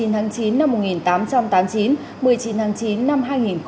một mươi tháng chín năm một nghìn tám trăm tám mươi chín một mươi chín tháng chín năm hai nghìn một mươi chín